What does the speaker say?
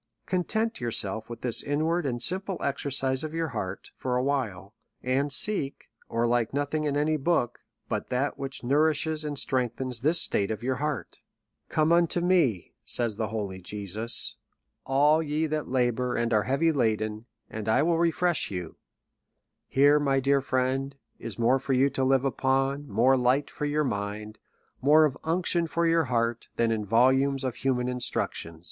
Content yourself with this inward and sim ple exercise of your heart, for a while ; and seek, or like nothing in any book, but that which nourishes and strengthens this state of your heart. Come unto me, says the holy Jesus^ all ye that la XXYl SOME ACCOUNT OF bour and are heavy laden, and I will refresh you. Here, my dear friend, is more for you to live upon, more light for your mind, more of unction for your heart, than in volumes of human instruction.